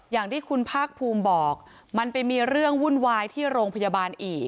อย่างที่คุณภาคภูมิบอกมันไปมีเรื่องวุ่นวายที่โรงพยาบาลอีก